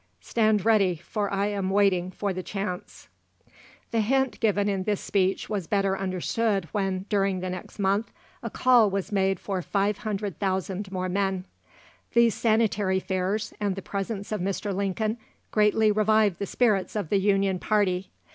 Stand ready, for I am waiting for the chance." The hint given in this speech was better understood when, during the next month, a call was made for 500,000 more men. These Sanitary Fairs, and the presence of Mr. Lincoln, greatly revived the spirits of the Union party.